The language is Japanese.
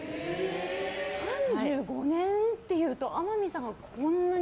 ３５年っていうと天海さんがこんなに。